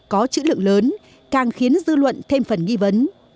có chữ lượng lớn càng khiến dư luận thêm phần nghi vấn